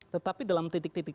tetapi dalam titik titik